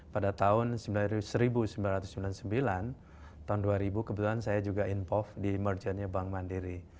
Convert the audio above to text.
pada tahun seribu sembilan ratus sembilan puluh sembilan tahun dua ribu kebetulan saya juga involve di mergetnya bank mandiri